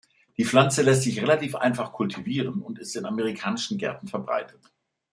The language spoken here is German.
Die Pflanze lässt sich relativ einfach kultivieren und ist in amerikanischen Gärten verbreitet.